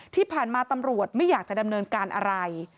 ที่ผ่านมาตำรวจไม่อยากจะดำเนินการอะไร